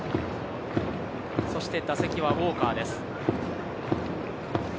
打席はウォーカーです。